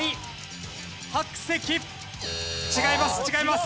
違います